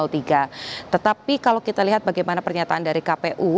tetapi kalau kita lihat bagaimana pernyataan dari kpu